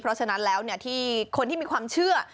เพราะฉะนั้นแล้วที่คนที่มีความเชื่อ